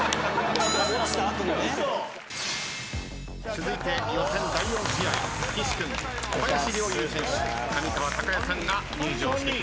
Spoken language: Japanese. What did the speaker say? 続いて予選第４試合岸君小林陵侑選手上川隆也さんが入場してきました。